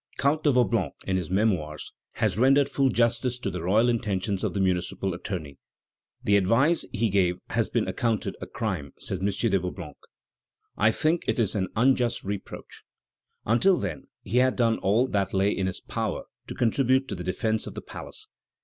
Count de Vaublanc, in his Memoirs, has rendered full justice to the loyal intentions of the municipal attorney. "The advice he gave has been accounted a crime," says M. de Vaublanc; "I think it is an unjust reproach. Until then he had done all that lay in his power to contribute to the defence of the palace.